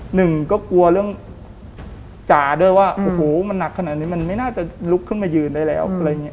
หนึ่งก็กลัวเรื่องจ๋าด้วยว่าโอ้โหมันหนักขนาดนี้มันไม่น่าจะลุกขึ้นมายืนได้แล้วอะไรอย่างนี้